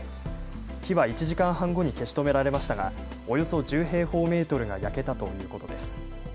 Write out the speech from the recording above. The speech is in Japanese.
火は１時間半後に消し止められましたがおよそ１０平方メートルが焼けたということです。